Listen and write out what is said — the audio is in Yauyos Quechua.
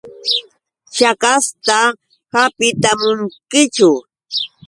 ¿Shakashta hapitamunkichu?